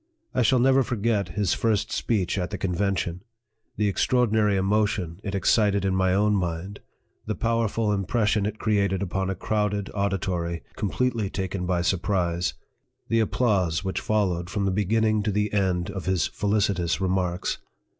I shall never forget his first speech at the convention the extraordinary emotion it excited in my own mind the powerful impression it created upon a crowded auditory, completely taken by surprise the applause which followed from the beginning to the end of his felicitous remarks.